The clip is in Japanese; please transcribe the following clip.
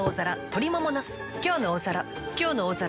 「きょうの大皿」